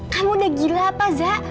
kamu udah gila apa zah